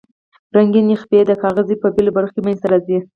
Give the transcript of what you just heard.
رنګینې خپې د کاغذ په بیلو برخو کې منځ ته راځي.